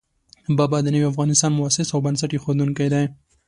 بابا د نوي افغانستان مؤسس او بنسټ اېښودونکی دی.